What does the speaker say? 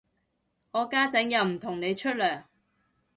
我家陣又唔同你出糧